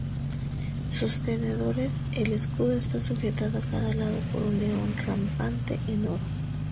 Sostenedores: El escudo está sujetado a cada lado por un león rampante en oro.